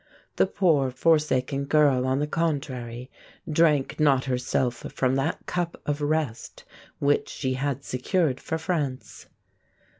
The poor, forsaken girl, on the contrary, drank not herself from that cup of rest which she had secured for France.